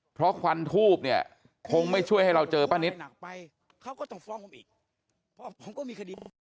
เพราะควันทูปเนี่ยคงไม่ช่วยให้เราเจอป้านิต